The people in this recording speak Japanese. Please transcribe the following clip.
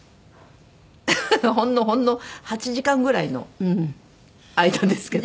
ほんのほんの８時間ぐらいの間ですけど。